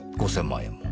５０００万円も？